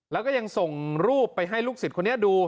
แล้วก็ยังส่งรูปไปให้ลูกศิษย์คนนี้ดู